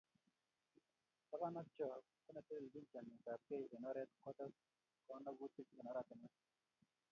Taban ak Cho ko netelechin chametabgei eng oret kotes konogutik eng oratinwek